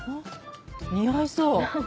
似合いそう。